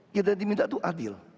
kita diminta itu adil